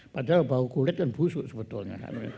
padahal bau kulit kan busuk sebetulnya